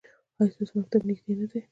ایا ستاسو مکتب نږدې نه دی؟